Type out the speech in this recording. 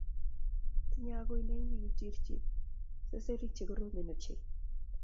Tinyei agui nenyi kipchirchir sesenik chegoromen ochei